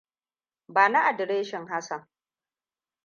Bani adireshin Hassan.